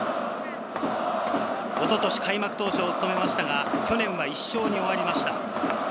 一昨年、開幕投手を務めましたが、去年は１勝に終わりました。